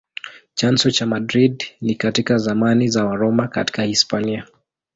Chanzo cha Madrid ni katika zamani za Waroma katika Hispania.